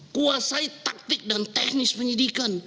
kuasai taktik dan teknis penyidikan